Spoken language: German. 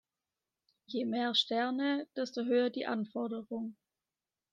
Je mehr Sterne, desto höher die Anforderung.